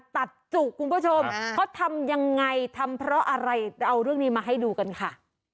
ตัดจุคุณผู้ชมเขาทำยังไงทำเพราะอะไรเราเอาเรื่องนี้มาให้ดูกันค่ะ